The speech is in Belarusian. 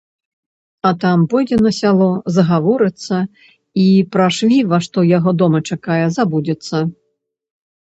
А там пойдзе на сяло, загаворыцца і пра швіва, што яе дома чакае, забудзецца.